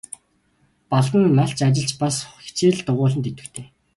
Балдан нь малч, ажилч, бас хичээл дугуйланд идэвхтэй.